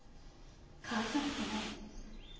かわいそうだったね。